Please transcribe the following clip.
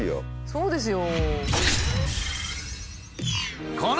そうですよ。